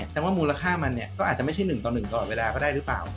แต่ว่ามูลค่ามันเนี่ยก็อาจจะไม่ใช่๑ต่อ๑ตลอดเวลาก็ได้หรือเปล่า